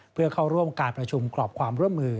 เพื่อเข้าร่วมการประชุมกรอบความร่วมมือ